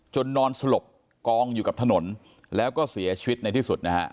นอนสลบกองอยู่กับถนนแล้วก็เสียชีวิตในที่สุดนะฮะ